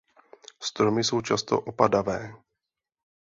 Stromy jsou často opadavé.